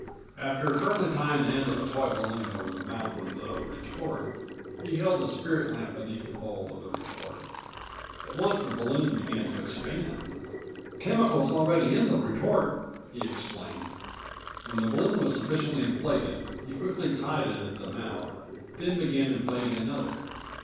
After firmly tying the end of a toy balloon over the mouth of the retort he held the spirit lamp beneath the bowl of the retort. At once the balloon began to expand. "Chemicals already in the retort," he explained. When the balloon was sufficiently inflated, he quickly tied it at the mouth, then began inflating another.